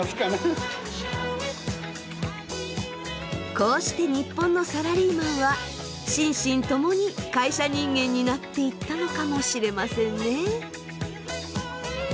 こうして日本のサラリーマンは心身ともに会社人間になっていったのかもしれませんね。